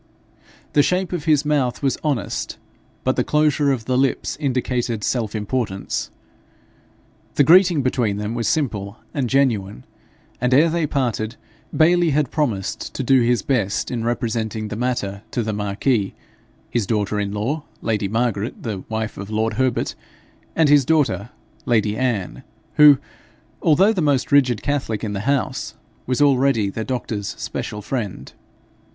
The shape of his mouth was honest, but the closure of the lips indicated self importance. The greeting between them was simple and genuine, and ere they parted, Bayly had promised to do his best in representing the matter to the marquis, his daughter in law, lady Margaret, the wife of lord Herbert, and his daughter, lady Anne, who, although the most rigid catholic in the house, was already the doctor's special friend.